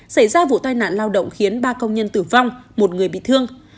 xảy ra vụ tai nạn lao động khiến ba công nhân tử vong một người bị thương